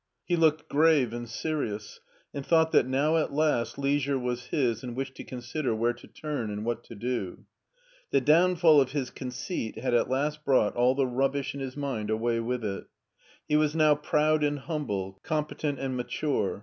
He looked grave and serious, and thought that now at last leisure was his in which to consider where to ttnrn and what to do. The downfall of his conceit had at last brought all the rubbish in his mind away with it. He was now proud and humble, competent and mature.